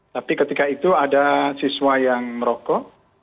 tapi ketika itu ada siswa yang merokok